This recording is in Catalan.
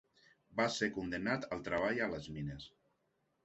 Va ser condemnat al treball a les mines.